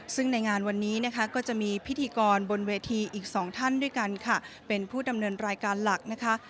ซึ่งในงานวันนี้นะคะก็จะมีพิธีกรบนเวทีอีกสองท่านด้วยกันค่ะเป็นผู้ดำเนินรายการหลักนะคะ